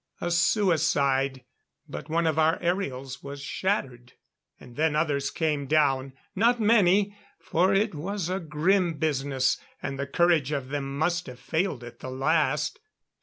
A suicide; but one of our aerials was shattered. And then others came down not many, for it was grim business and the courage of them must have failed at the last.